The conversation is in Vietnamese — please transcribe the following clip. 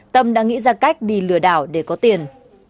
tâm đã nghĩ ra cách đi lừa đảo để có tiền